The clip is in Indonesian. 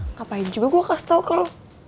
ngapain juga gue kasih tau ke lo